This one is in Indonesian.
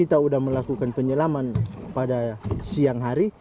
kita sudah melakukan penyelaman pada siang hari